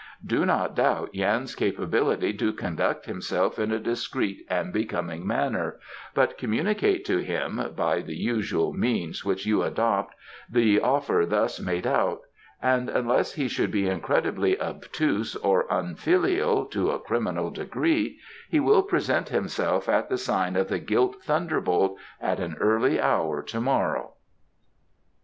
Do not doubt Yan's capability to conduct himself in a discreet and becoming manner, but communicate to him, by the usual means which you adopt, the offer thus laid out, and unless he should be incredibly obtuse or unfilial to a criminal degree he will present himself at the Sign of the Gilt Thunderbolt at an early hour to morrow."